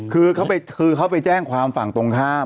คือเขาไปแจ้งความฝั่งตรงข้าม